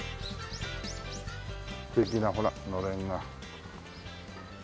素敵なほらのれんが。